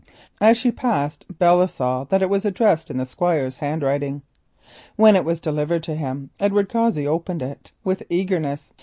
As she passed Belle saw that it was addressed in the Squire's handwriting. When it was delivered to him Edward Cossey opened it with eagerness.